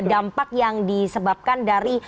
dampak yang disebabkan dari